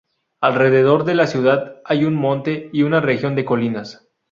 Alrededor de la ciudad hay un monte y una región de colinas.